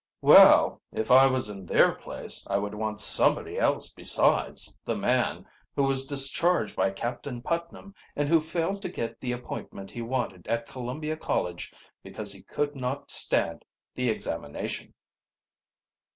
"Well, if I was in their place I would want somebody else besides the man who was discharged by Captain Putnam and who failed to get the appointment he wanted at Columbia College because he could not stand the examination."